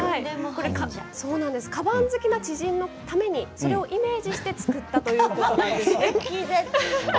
かばん好きの知人のためにイメージして作ったということです。